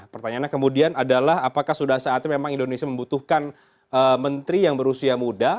pertanyaannya kemudian adalah apakah sudah saatnya memang indonesia membutuhkan menteri yang berusia muda